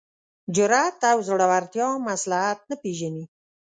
جرات او زړورتیا مصلحت نه پېژني.